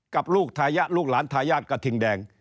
กับลูกหลานทายาทกระทิ่งแดง